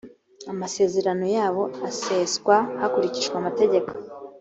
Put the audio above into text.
amasezerano yabo aseswa hakurikijwe amategeko